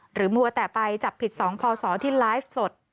หรือมัวแตะไปจับผิดสองพ่อสอที่ไลฟ์สด